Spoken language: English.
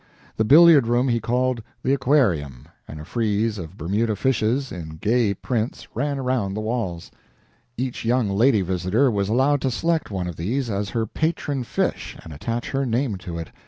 The billiard room he called "the aquarium," and a frieze of Bermuda fishes, in gay prints, ran around the walls. Each young lady visitor was allowed to select one of these as her patron fish and attach her name to it.